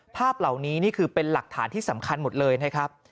ภาพเหล่านี้นี่คือเป็นหลักฐานที่สำคัญหมดเลยนะครับ